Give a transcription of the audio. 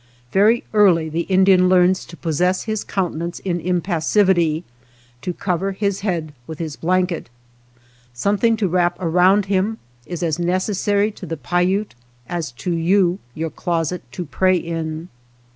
Very early the Indian learns to possess his counte nance in impassivity, to cover his head with his blanket. Something to wrap around him is as necessary to the Paiute as to you your closet to pray in.